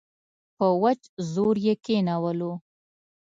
په وچ زور یې کښېنولو.